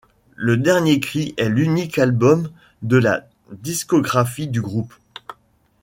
Le Dernier Cri est l'unique album de la discographie du groupe.